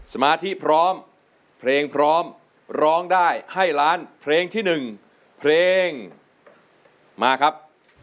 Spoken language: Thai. สมาธิพร้อมเพลงพร้อมร้องได้ให้ล้านเพลงที่๑เพลงมาครับ